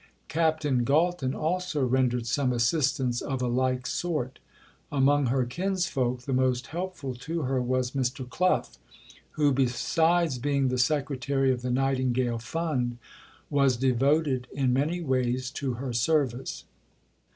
Captain Galton also rendered some assistance of a like sort. Among her kinsfolk, the most helpful to her was Mr. Clough, who, besides being the Secretary of the Nightingale Fund, was devoted in many ways to her service.